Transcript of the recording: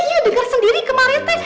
saya dengar sendiri kemarin teh